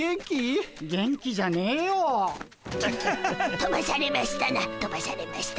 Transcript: とばされましゅたな。